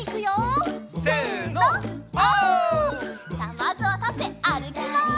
さあまずはたってあるきます！